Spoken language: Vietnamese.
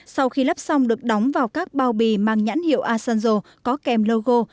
sau khi lắp xong được đóng vào các bao bì mang nhãn hiệu asanzo có kèm logo